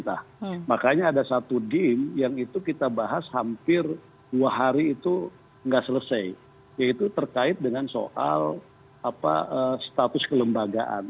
khusus maupun istimewa